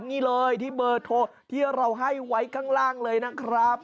นี่เลยที่เบอร์โทรที่เราให้ไว้ข้างล่างเลยนะครับ